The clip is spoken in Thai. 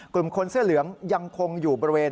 กลุ่มคนเสื้อเหลืองยังคงอยู่บริเวณ